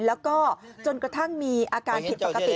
แล้วก็จนกระทั่งมีอาการผิดปกติ